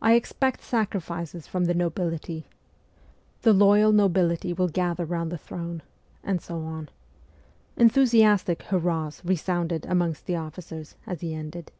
I expect sacrifices from the nobility ... the loyal nobility will gather round the throne '... and so on. Enthusiastic hurrahs resounded amongst the officers as he ended.